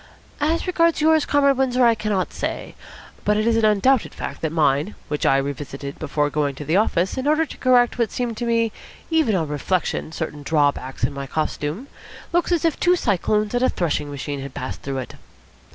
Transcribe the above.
"As regards yours, Comrade Windsor, I cannot say. But it is an undoubted fact that mine, which I revisited before going to the office, in order to correct what seemed to me even on reflection certain drawbacks to my costume, looks as if two cyclones and a threshing machine had passed through it."